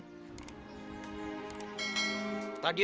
tadi dia semakin berbicara